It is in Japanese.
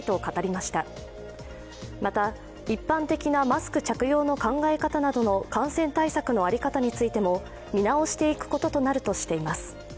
また、一般的なマスク着用の考え方などの感染対策の在り方についても見直していくこととなるとしています。